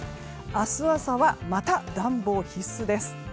明日朝は、また暖房必須です。